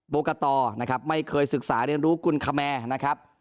กรกตนะครับไม่เคยศึกษาเรียนรู้กุลคแมนะครับ